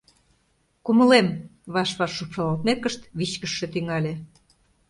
— Кумылем! — ваш-ваш шупшалалтмекышт вичкыжше тӱҥале.